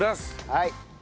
はい。